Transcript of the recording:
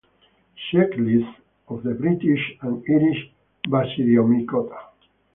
Checklist of the British and Irish Basidiomycota.